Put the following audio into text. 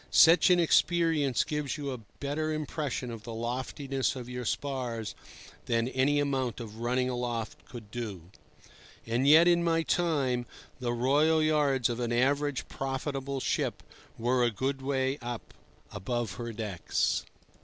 Such an experience gives you a better impression of the loftiness of your spars than any amount of running aloft could do. And yet in my time the royal yards of an average profitable ship were a good way up above her decks.